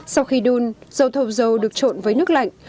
sau khi đun dầu thầu dầu được trộn với nước lạnh